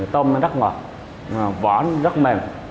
tôm nó rất ngọt vỏ nó rất mềm